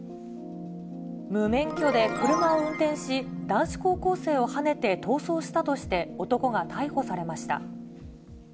無免許で車を運転し、男子高校生をはねて逃走したとして、男が逮捕されました。